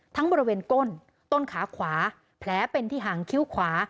บริเวณก้นต้นขาขวาแผลเป็นที่หางคิ้วขวา